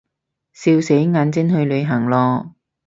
笑死，眼睛去旅行囉